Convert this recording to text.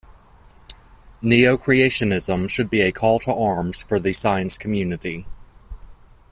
Neocreationism should be a call to arms for the science community.